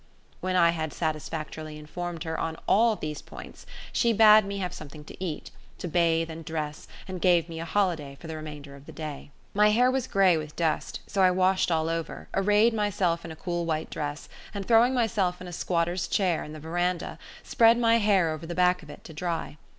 When I had satisfactorily informed her on all these points, she bade me have something to eat, to bathe and dress, and gave me a holiday for the remainder of the day. My hair was grey with dust, so I washed all over, arrayed myself in a cool white dress, and throwing myself in a squatter's chair in the veranda, spread my hair over the back of it to dry.